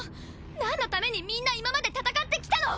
なんのためにみんな今まで戦ってきたの！